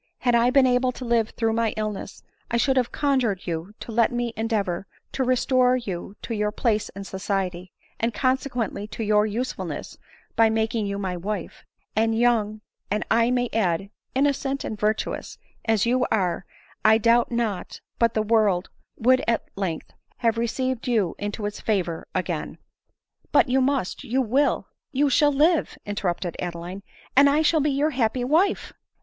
Had I been able to live through my illness, 1 should have conjured you to let me endeavor to restore you to your place in society, and consequently to your usefulness, by making you my wife ; and young, and I may add inno cent and virtuous, as you are, I doubt not but the world would at length have received you into its favor againv* ADELINE MOWBRAY. 181 "But you must, you will, you shall live," interrupted Adeline, " and 1 shall be your happy wife."